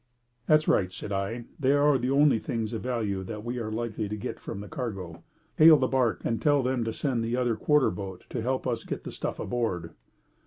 "That's right," said I. "They are the only things of value that we are likely to get from the cargo. Hail the barque and tell them to send the other quarter boat to help us to get the stuff aboard."